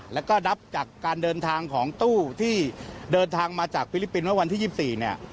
แล้วก็นับจากการเดินทางของตู้ที่เดินทางมาจากฟิลิปปินส์เมื่อวันที่๒๔เนี่ย